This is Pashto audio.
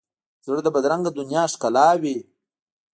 زړه د بدرنګه دنیا ښکلاوي.